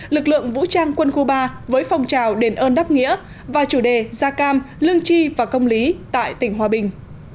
lực lượng vũ trang quân khu ba với phong trào đền ơn đáp nghĩa và chủ đề da cam lương chi và công lý tại tỉnh hòa bình